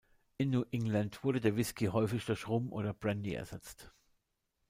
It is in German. In New England wurde der Whiskey häufig durch Rum oder Brandy ersetzt.